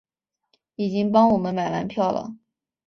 已经帮我们买完票了